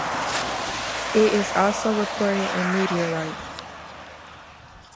It is also reported in meteorites.